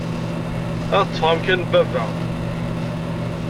Ad ṭṭfeɣ amkan n baba.